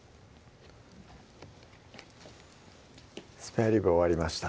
スペアリブ終わりました